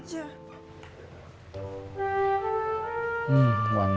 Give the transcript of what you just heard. cuk gitu mulut gue